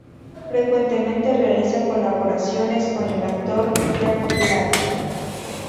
Frecuentemente realiza colaboraciones con el actor Jack Black.